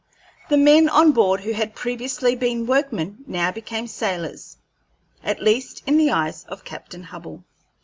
The men on board who had previously been workmen now became sailors at least in the eyes of Captain Hubbell.